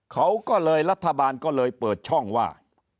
เขาก็เลยรัฐบาลก็เลยเปิดช่องว่า